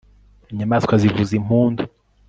inyamaswa zivuz'impundu, +r